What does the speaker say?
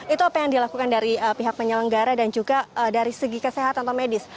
itu apa yang dilakukan dari pihak penyelenggara dan juga dari segi kesehatan atau medis